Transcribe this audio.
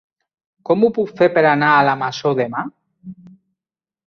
Com ho puc fer per anar a la Masó demà?